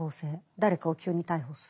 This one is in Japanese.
誰かを急に逮捕する。